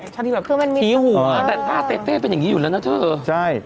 ชาติที่แบบคือมันมีอ่าเต้เต้เป็นอย่างงี้อยู่แล้วนะเธอใช่